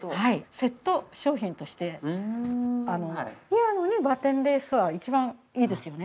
セット商品としてピアノにバテンレースは一番いいですよね。